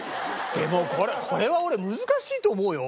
でもこれこれは俺難しいと思うよ。